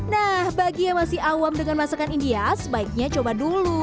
nah bagi yang masih awam dengan masakan india sebaiknya coba dulu